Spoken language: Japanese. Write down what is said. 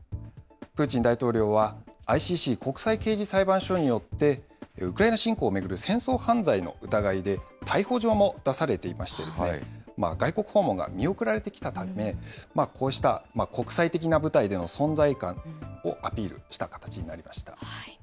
プーチン大統領はＩＣＣ・国際刑事裁判所によって、ウクライナ侵攻を巡る戦争犯罪の疑いで逮捕状も出されていまして、外国訪問が見送られてきたため、こうした国際的な舞台での存在感をアピールした形になりました。